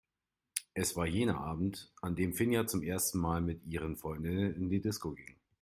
Es war jener Abend, an dem Finja zum ersten Mal mit ihren Freundinnen in die Disco ging.